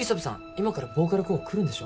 今からボーカル候補来るんでしょ？